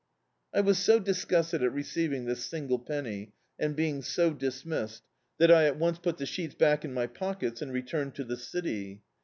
I was so disgusted at receiving this single penny, and being so dismissed, that I at once put the sheets back in my pockets and returned to the city.